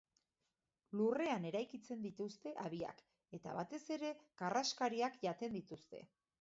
Lurrean eraikitzen dituzte habiak, eta batez ere karraskariak jaten dituzte.